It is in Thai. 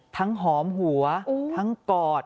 ทั้งหอมหัวทั้งกอด